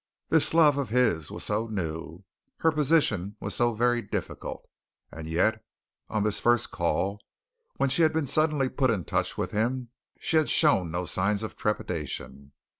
This love of his was so new. Her position was so very difficult. And yet, on this first call when she had been suddenly put in touch with him, she had shown no signs of trepidation.